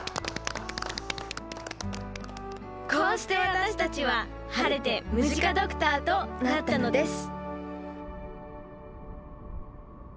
こうして私たちは晴れてムジカドクターとなったのです